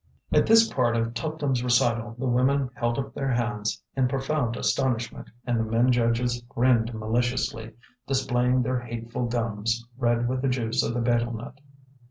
At this part of Tuptim's recital, the women held up their hands in profound astonishment, and the men judges grinned maliciously, displaying their hateful gums, red with the juice of the betel nut.